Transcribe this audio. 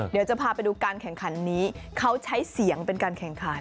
เดี๋ยวจะพาไปดูการแข่งขันนี้เขาใช้เสียงเป็นการแข่งขัน